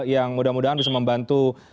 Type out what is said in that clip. yang mudah mudahan bisa membantu